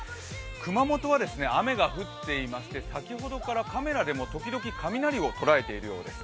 熊本は雨が降っていまして、先ほどからカメラでも時々、雷を捉えているようです。